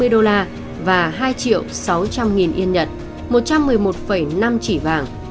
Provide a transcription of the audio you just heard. một mươi tám trăm bốn mươi đô la và hai triệu sáu trăm linh nghìn yên nhật một trăm một mươi một năm chỉ vàng